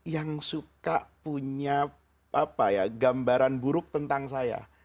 yang suka punya gambaran buruk tentang saya